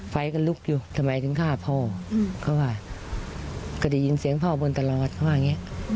ไฟก็ลุกอยู่ทำไมถึงฆ่าพ่อเขาว่าก็ได้ยินเสียงพ่อบนตลอดเขาว่าอย่างนี้